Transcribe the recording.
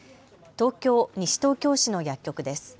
東京西東京市の薬局です。